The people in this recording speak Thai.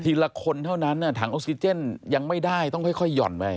ละคนเท่านั้นถังออกซิเจนยังไม่ได้ต้องค่อยหย่อนไป